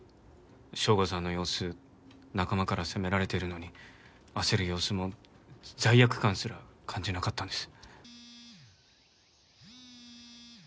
省吾さんの様子仲間から責められてるのに焦る様子も罪悪感すら感じなかったんです。